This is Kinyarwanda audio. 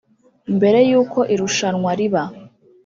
Mbere y’uko irushanwa riba